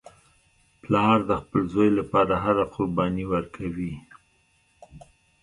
پلار د خپل زوی لپاره هره قرباني ورکوي